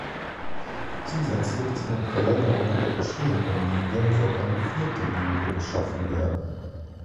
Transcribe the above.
Zusätzlich zu den Verlängerungen der bestehenden Linien soll eine vierte Linie geschaffen werden.